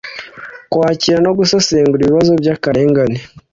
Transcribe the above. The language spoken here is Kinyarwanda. kwakira no gusesengura ibibazo by’akarengane: